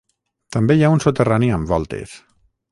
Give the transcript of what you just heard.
També hi ha un soterrani amb voltes.